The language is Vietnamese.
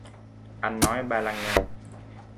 Ăn nói ba lăng nhăng